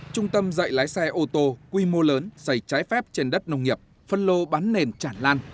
trung tâm dạy lái xe ô tô quy mô lớn xây trái phép trên đất nông nghiệp phân lô bán nền chản lan